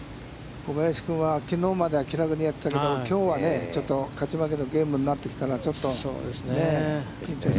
小林君はきのうまでは気楽にやってたけど、きょうはちょっと勝ち負けのゲームになってきたら、ちょっと。